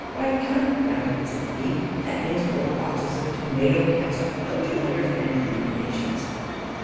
"'Why, confound it!' said he, 'that means four boxes Tomato Catsup! Don't you understand abbreviations?